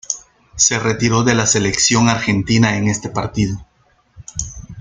Se retiró de la selección Argentina en este partido.